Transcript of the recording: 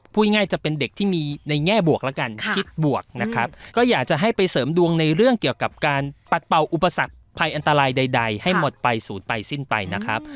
พูดง่ายจะเป็นเด็กที่มีในแง่บวกแล้วกันคิดบวกนะครับก็อยากจะให้ไปเสริมดวงในเรื่องเกี่ยวกับการปัดเป่าอุปสรรคภัยอันตรายใดให้หมดไปศูนย์ไปสิ้นไปนะครับ